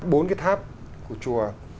bốn cái tháp của chùa